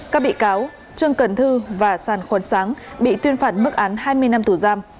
các bị cáo trương cần thư và sàn khuôn sáng bị tuyên phạt mức án hai mươi năm tù giam